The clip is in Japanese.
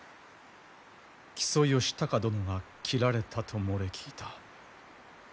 木曽義高殿が斬られたと漏れ聞いた。